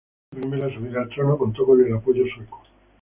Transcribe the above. Su primera subida al trono contó con el apoyo sueco.